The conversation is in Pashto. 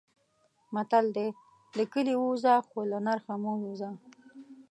متل دی: له کلي ووځه خو له نرخه مه وځه.